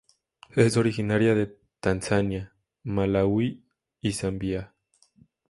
Es originaria de Tanzania, Malaui y Zambia.